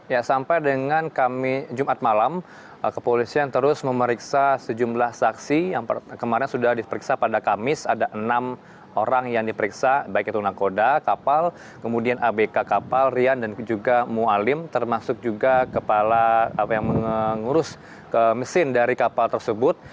ya sampai dengan kami jumat malam kepolisian terus memeriksa sejumlah saksi yang kemarin sudah diperiksa pada kamis ada enam orang yang diperiksa baik itu nakoda kapal kemudian abk kapal rian dan juga mualim termasuk juga kepala apa yang mengurus mesin dari kapal tersebut